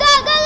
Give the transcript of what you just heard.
tuh tadi nah